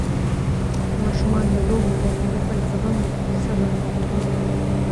ماشومان د لوبو له لارې خپل زغم او صبر وده کوي.